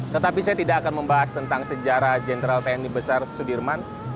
tetapi saya tidak akan membahas tentang sejarah jenderal tni besar sudirman